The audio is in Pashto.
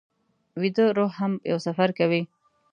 ویده روح هم یو سفر کوي